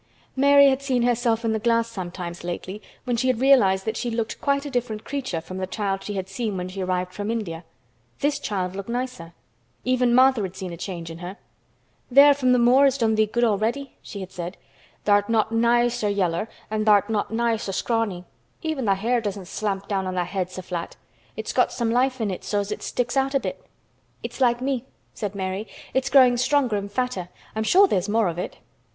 Mary had seen herself in the glass sometimes lately when she had realized that she looked quite a different creature from the child she had seen when she arrived from India. This child looked nicer. Even Martha had seen a change in her. "Th' air from th' moor has done thee good already," she had said. "Tha'rt not nigh so yeller and tha'rt not nigh so scrawny. Even tha' hair doesn't slamp down on tha' head so flat. It's got some life in it so as it sticks out a bit." "It's like me," said Mary. "It's growing stronger and fatter. I'm sure there's more of it."